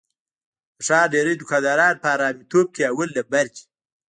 د ښار ډېری دوکانداران په حرامتوب کې اول لمبر دي.